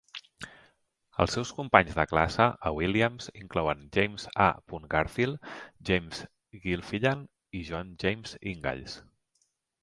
Els seus companys de classe a Williams inclouen James A. Garfield, James Gilfillan i John James Ingalls.